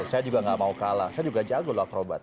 saya juga gak mau kalah saya juga jago loh akrobat